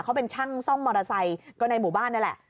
เขาเป็นช่างซ่อมมอเตอร์ไซค์ก็ในหมู่บ้านนี่แหละ